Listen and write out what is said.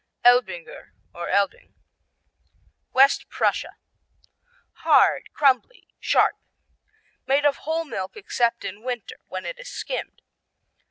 Elbinger, or Elbing West Prussia Hard; crumbly; sharp. Made of whole milk except in winter when it is skimmed.